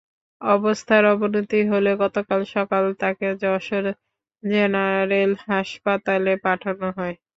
অবস্থার অবনতি হলে গতকাল সকালে তাঁকে যশোর জেনারেল হাসপাতালে পাঠানো হয়।